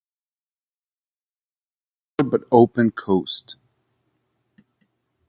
Place not harbour but open coast.